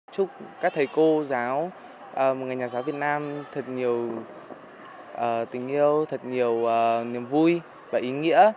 chúc các thầy cô giáo một người nhà giáo việt nam thật nhiều tình yêu thật nhiều niềm vui và ý nghĩa